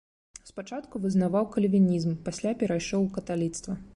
Спачатку вызнаваў кальвінізм, пасля перайшоў у каталіцтва.